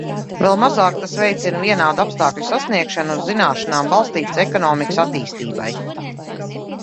Vēl mazāk tas veicina vienādu apstākļu sasniegšanu uz zināšanām balstītas ekonomikas attīstībai.